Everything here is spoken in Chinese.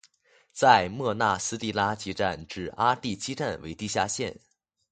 在莫纳斯蒂拉基站至阿蒂基站为地下线。